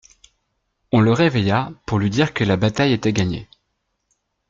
On le réveilla pour lui dire que la bataille était gagnée.